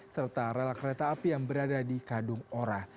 serta rel kereta api yang berada di kadung ora